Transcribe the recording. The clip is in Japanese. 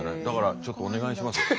だからちょっとお願いします。